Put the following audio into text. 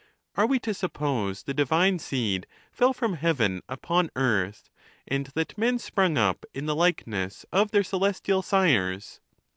Are we to suppose the divine seed fell fi om heaven upon earth, and that men sprung up in the likeness of their celestial sires?